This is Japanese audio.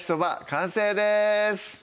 完成です